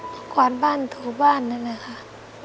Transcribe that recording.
ขวานบ้านถูบ้านนั่นแหละค่ะ